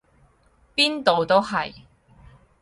邊度都係！